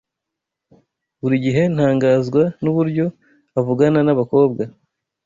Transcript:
Buri gihe ntangazwa nuburyo avugana nabakobwa.